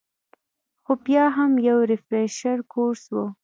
خو بيا هم يو ريفرېشر کورس وۀ -